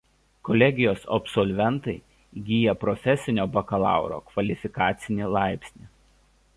Kolegijos absolventai įgyja profesinio bakalauro kvalifikacinį laipsnį.